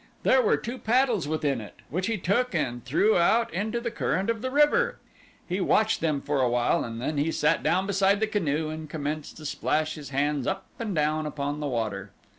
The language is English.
There were two paddles within it which he took and threw out into the current of the river. He watched them for a while and then he sat down beside the canoe and commenced to splash his hands up and down upon the water.